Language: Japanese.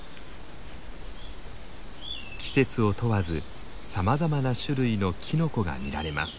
季節を問わずさまざまな種類のキノコが見られます。